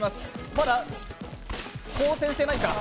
まだ抗戦していないか。